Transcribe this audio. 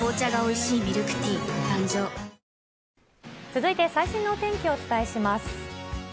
続いて最新のお天気をお伝えします。